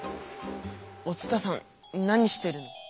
お伝さん何してるの？